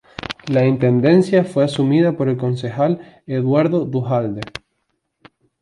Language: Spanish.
La intendencia fue asumida por el concejal Eduardo Duhalde.